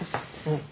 うん。